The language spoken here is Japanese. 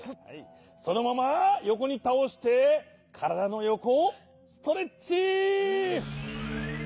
そのままよこにたおしてからだのよこをストレッチ。